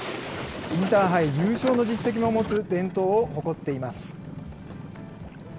インターハイ優勝の実績を持つ伝統を誇っています。